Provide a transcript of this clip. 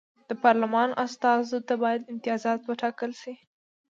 د پارلمان استازو ته باید امتیازات وټاکل شي.